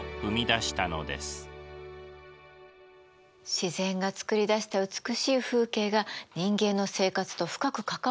自然がつくりだした美しい風景が人間の生活と深く関わってるってことだよね。